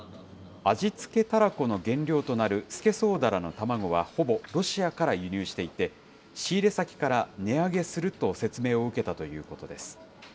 味付けたらこの原料となるスケソウダラの卵は、ほぼロシアから輸入していて、仕入れ先から値上げすると説明を受けたということです。